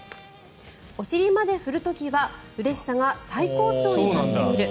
お尻まで振る時はうれしさが最高潮に達している。